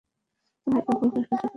তোমরা একে অপরকে সহ্য করতে পারছ না।